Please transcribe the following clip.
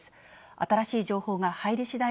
新しい情報が入りしだい